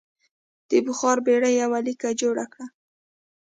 د بخار بېړۍ یوه لیکه جوړه کړه.